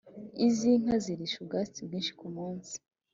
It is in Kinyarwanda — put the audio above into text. Izinka zirisha ubwatsi bwinshi kumunsi